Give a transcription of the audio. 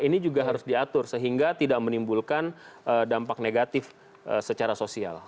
ini juga harus diatur sehingga tidak menimbulkan dampak negatif secara sosial